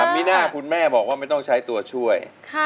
มีหน้าคุณแม่บอกว่าไม่ต้องใช้ตัวช่วย